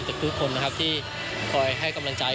ทุกคนนะครับที่คอยให้กำลังใจ